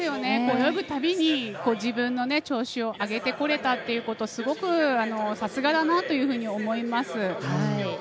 泳ぐたびに自分の調子を上げてこれたということさすがだなと思います。